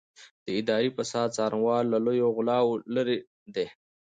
د اداري فساد څارنوالان له لویو غلاوو لېرې دي.